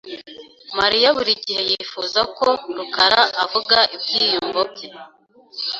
Mariya buri gihe yifuza ko rukara avuga ibyiyumvo bye .